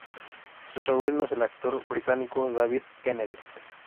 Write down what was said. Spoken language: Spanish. Su sobrino es el actor británico David Kennedy.